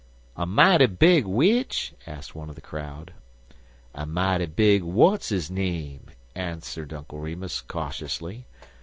"A mighty big w'ich?" asked one of the crowd. "A mighty big w'atsizname," answered Uncle Remus, cautiously.